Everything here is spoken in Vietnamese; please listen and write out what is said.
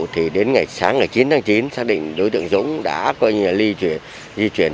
thì đến ngày sáng ngày chín tháng chín sát định đối tượng dũng đã coi như là di chuyển